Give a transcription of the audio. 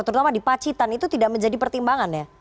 terutama di pacitan itu tidak menjadi pertimbangan ya